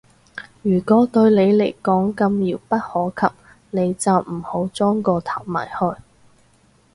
如果對你嚟講咁遙不可及，你就唔好舂個頭埋去